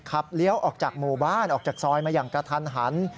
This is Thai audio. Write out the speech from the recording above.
เลี้ยวออกจากหมู่บ้านออกจากซอยมาอย่างกระทันหัน